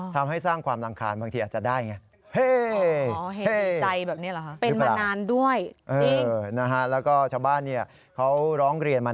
ทำให้สร้างความรังคาญบางทีอาจจะได้เฮ้